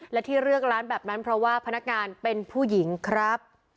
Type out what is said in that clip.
และที่เลือกร้านแบบนั้นเพราะว่าพนักงานเป็นผู้หญิงครับ